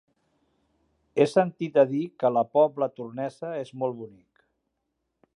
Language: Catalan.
He sentit a dir que la Pobla Tornesa és molt bonic.